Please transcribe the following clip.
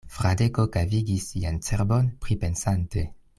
Fradeko kavigis sian cerbon, pripensante.